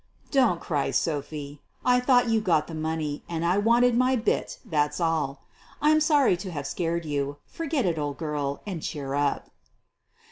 1 ! Don't cry, Sophie. I thought you got the money, and I wanted my bit, that's all. I'm sorry to have scared you. Forget it, old girl, and cheer up."